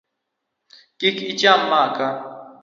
Kik icham maka.